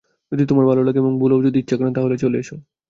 যদি তোমার ভাল লাগে এবং বুলও যদি ইচ্ছা করেন, তা হলে চলে এস।